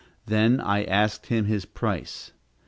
Then I asked him his price.